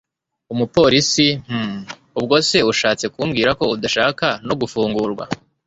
Umupolisi hm Ubwo se ushatse kumbwira ko udashaka no gufungurwa